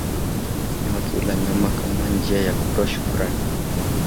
Wanawake hula nyama kama njia ya kutoa shukurani